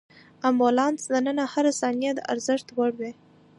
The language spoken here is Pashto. د امبولانس دننه هره ثانیه د ارزښت وړ وي.